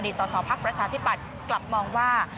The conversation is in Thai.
อดีตส่อภาคประชาธิปัตย์กลับมองว่า